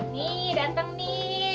nih dateng nih